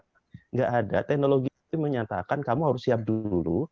tidak ada teknologi itu menyatakan kamu harus siap dulu